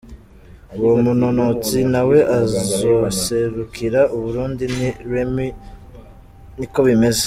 Uwo munonotsi nawe azoserukira Uburundi ni Remy Nikobimeze.